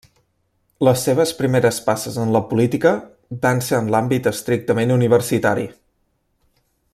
Les seves primeres passes en la política van ser en l'àmbit estrictament universitari.